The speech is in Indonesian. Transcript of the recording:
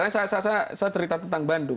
saya cerita tentang bandung